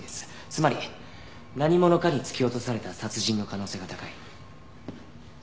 つまり何者かに突き落とされた殺人の可能性が高い。